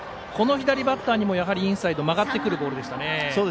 この左バッターにもインサイド曲がってくるボールでした。